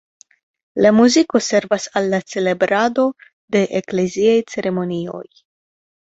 La muziko servas al la celebrado de ekleziaj ceremonioj.